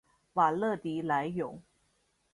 瓦勒迪莱永。